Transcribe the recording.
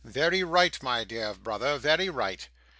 'Very right, my dear brother, very right.